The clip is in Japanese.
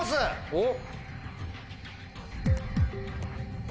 おっ。